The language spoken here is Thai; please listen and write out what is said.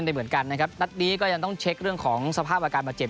เมื่อชั้นนี้ก็ต้องเช็คเรื่องสภาพประการมัดเจ็บ